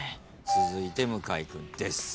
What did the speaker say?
続いて向井君です。